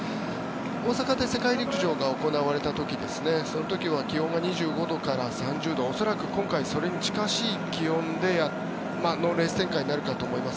大阪で世界陸上が行われた時その時は気温が２５度から３０度恐らく、今回それに近しい気温でのレース展開になると思います。